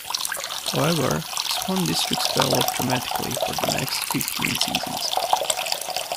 However, Swan Districts fell off dramatically for the next fifteen seasons.